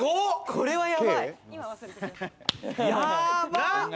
これはやばい！